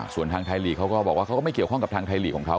ส่วนทางไทยลีกเขาก็บอกว่าเขาก็ไม่เกี่ยวข้องกับทางไทยลีกของเขา